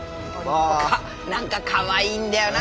何かかわいいんだよな